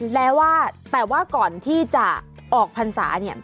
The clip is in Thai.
แล้วว่าแต่ว่าก่อนที่จะออกพรรษาเนี่ย